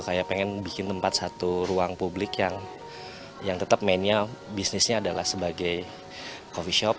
kayak pengen bikin tempat satu ruang publik yang tetap mainnya bisnisnya adalah sebagai coffee shop